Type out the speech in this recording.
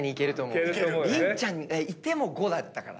凛ちゃんがいても５だったからね。